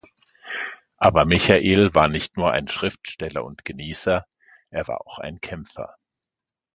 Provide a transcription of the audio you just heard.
Aber Michael war nicht nur ein Schriftsteller und Genießer, er war auch ein Kämpfer.